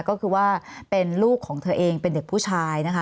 ก็คือว่าเป็นลูกของเธอเองเป็นเด็กผู้ชายนะคะ